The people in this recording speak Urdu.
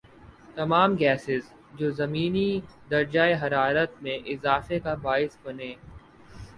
تمام گیسیں جو زمینی درجہ حرارت میں اضافے کا باعث بنیں